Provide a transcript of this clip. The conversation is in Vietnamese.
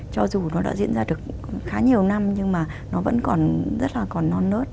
cho dù nó đã diễn ra được khá nhiều năm nhưng mà nó vẫn còn rất là còn non nớt